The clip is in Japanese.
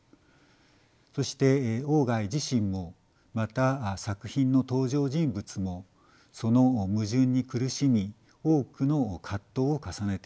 そして外自身もまた作品の登場人物もその矛盾に苦しみ多くの葛藤を重ねています。